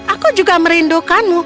aku juga merindukanmu